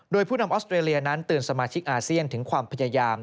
โดยผู้นำออสเตรเลียนั้นเตือนสมาชิกอาเซียนถึงความพยายาม